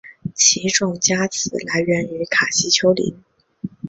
其种加词来源于卡西丘陵。